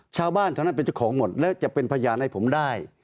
ชาวบ้านเท่านั้นเป็นเจ้าของหมดแล้วจะเป็นพยานให้ผมได้